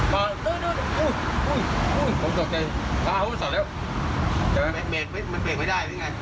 เบรกมันตัดเนี่ยหลังกว่า